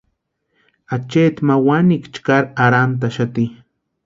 Achati ma wanekwa chʼkari arhantʼaxati.